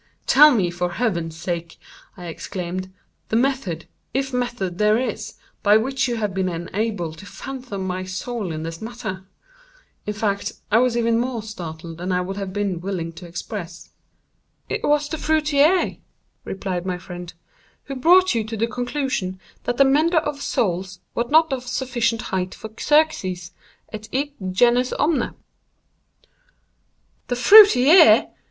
"Tell me, for Heaven's sake," I exclaimed, "the method—if method there is—by which you have been enabled to fathom my soul in this matter." In fact I was even more startled than I would have been willing to express. "It was the fruiterer," replied my friend, "who brought you to the conclusion that the mender of soles was not of sufficient height for Xerxes et id genus omne." "The fruiterer!